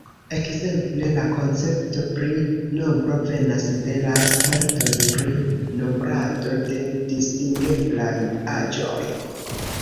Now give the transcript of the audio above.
Ekzemple la koncepto pri nombro venas de la spertoj pri nombrado de distingeblaj aĵoj.